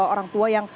orang tua yang